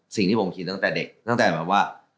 สิ่งที่ผมคิดตั้งแต่เด็กตั้งแต่แบบว่า